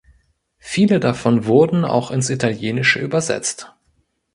Viele davon wurden auch ins Italienische übersetzt.